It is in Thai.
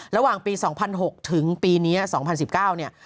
ระหว่างปี๒๐๐๖ถึงปีนี้๒๐๑๙เนี่ย